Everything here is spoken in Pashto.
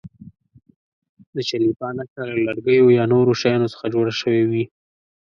د چلیپا نښه له لرګیو یا نورو شیانو څخه جوړه شوې وي.